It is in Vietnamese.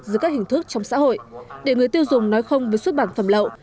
dưới các hình thức trong xã hội để người tiêu dùng nói không với xuất bản phẩm lậu